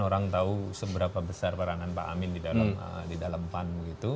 orang tahu seberapa besar perangan pak amin di dalam pan